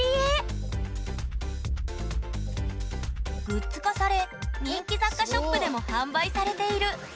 グッズ化され人気雑貨ショップでも販売されている。